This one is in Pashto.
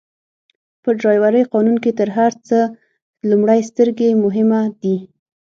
په ډرایورۍ قانون کي تر هر څه لومړئ سترګي مهمه دي.